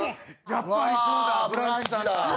やっぱりそうだ、「ブランチ」だ。